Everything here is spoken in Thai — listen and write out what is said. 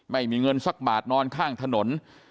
ไม่มีเงินสักบาทนอนข้างถนน